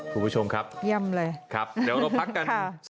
ผู้ผู้ชมครับครับเดี๋ยวเราพักกันสวัสดีครับ